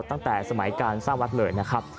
ตั้งแต่สมัยการสร้างวัดเลยนะครับ